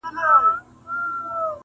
اوس چي پر پردي ولات ښخېږم ته به نه ژاړې!!